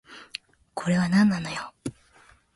これはなんなのよ